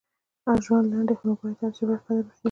• ژوند لنډ دی، نو باید هره شیبه یې قدر وشي.